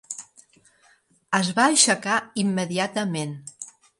Es va aixecar immediatament.